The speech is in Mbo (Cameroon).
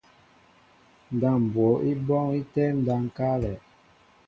Ndáp mbwo í bɔ́ɔ́ŋ í tɛ́ɛ́m ndáp ŋ̀káálɛ̄.